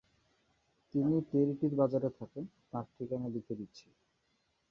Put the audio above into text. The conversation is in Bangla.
তিনি টেরিটির বাজারে থাকেন, তাঁর ঠিকানা লিখে দিচ্ছি।